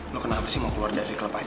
lu kenapa sih mau keluar dari club aj